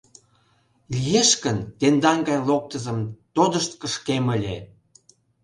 Лиеш гын, тендан гай локтызым тодышт кышкем ыле!..